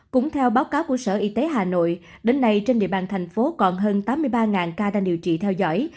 cũng theo báo cáo của sở y tế hà nội đến nay trên địa bàn thành phố còn hơn tám mươi ba ca đang điều trị theo dõi